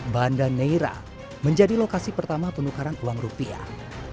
banda neira menjadi lokasi pertama penukaran uang rupiah